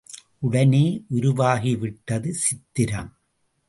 உடனே உருவாகிவிட்டது சித்திரம்.